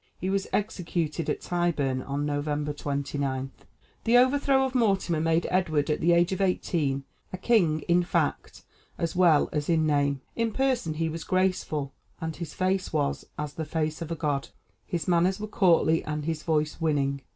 He was executed at Tyburn on November 29. [Illustration: Edward III. of England. [TN]] The overthrow of Mortimer made Edward, at the age of eighteen, a king in fact as well as in name. In person he was graceful; and his face was 'as the face of a god.' His manners were courtly and his voice winning.